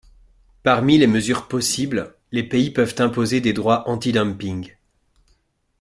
Parmi les mesures possibles, les pays peuvent imposer des droits antidumping.